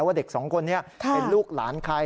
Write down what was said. ว่าเด็กสองคนนี้เป็นลูกหลานใคร